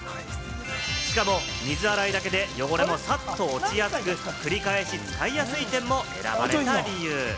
しかも水洗いだけで、汚れもさっと落ちやすく繰り返し使いやすい点も選ばれた理由。